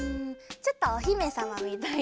ちょっとおひめさまみたいに。